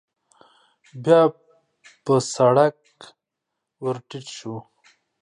بيا په سړک ور ټيټ شو.